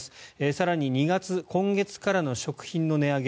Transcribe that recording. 更に２月今月からの食品の値上げ